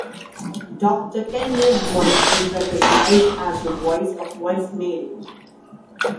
Doctor Kenley's voice is recognized as the "voice of voicemail".